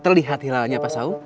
terlihat hilalnya pak saum